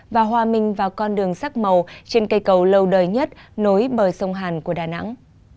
và hòa minh vào con đường sắc màu trên cây cầu lâu đời nhất nối bờ sông hàn của đà nẵng